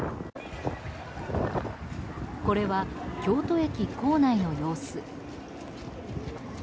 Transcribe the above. これは京都駅構内の様子。